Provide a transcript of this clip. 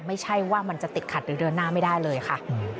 ไม่ใช่ว่ามันจะติดขัดหรือเดินหน้าไม่ได้เลยค่ะ